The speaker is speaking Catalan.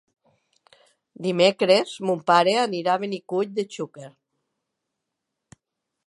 Dimecres mon pare anirà a Benicull de Xúquer.